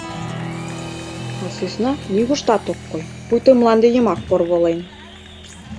А сӧсна нигуштат ок кой, пуйто мланде йымак порволен.